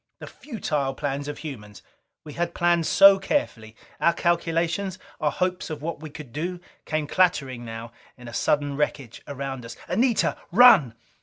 The futile plans of humans! We had planned so carefully! Our calculations, our hopes of what we could do, came clattering now in a sudden wreckage around us. "Anita! Run!"